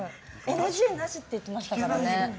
ＮＧなしって言ってましたからね。